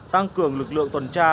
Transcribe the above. tăng cường lực lượng tuần tra